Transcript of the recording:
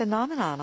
何？